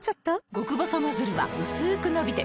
極細ノズルはうすく伸びて